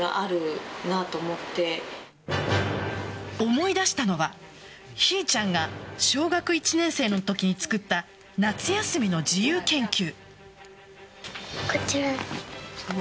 思い出したのはひーちゃんが小学１年生のときに作った夏休みの自由研究。